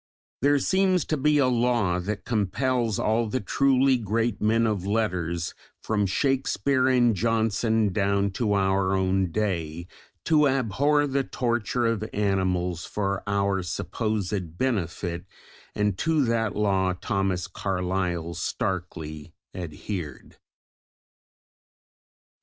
There seems to be a law that compels all the truly great men of letters, from Shakespeare and Johnson down to our own day, to abhor the torture of animals for our supposed benefit, and to that law Thomas Carlyle starkly adhered.